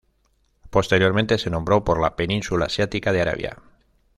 Posteriormente se nombró por la península asiática de Arabia.